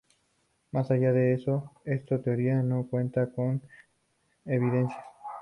Más allá de eso, esta teoría no cuenta con evidencias.